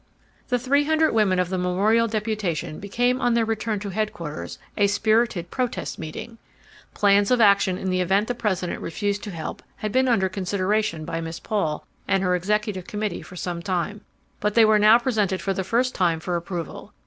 The three hundred women of the memorial deputation became on their return to headquarters a spirited protest meeting. Plans of action in the event the President refused to help had been under consideration by Miss Paul and her executive committee for some time, but they were now presented for the first time for approval.